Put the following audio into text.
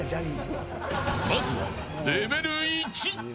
まずはレベル１。